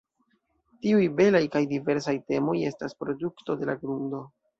Tiuj belaj kaj diversaj temoj estas produkto de la grundo.